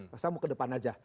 saya mau ke depan saja